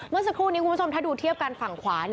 เมื่อสักครู่นี้คุณผู้ชมถ้าดูเทียบกันฝั่งขวา